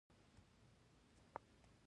خالي خُمرې لرې غورځول کېدې